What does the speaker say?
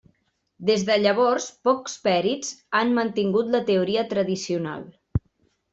Des de llavors pocs pèrits han mantingut la teoria tradicional.